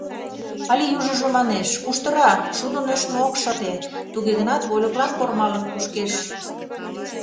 Але южыжо манеш: «Куштыра, шудо нӧшмӧ ок шыте, туге гынат вольыклан кормалык кушкеш».